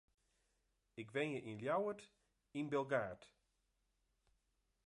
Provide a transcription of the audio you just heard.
Ik wenje yn Ljouwert, yn Bilgaard.